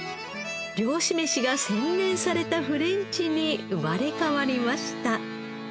漁師飯が洗練されたフレンチに生まれ変わりました。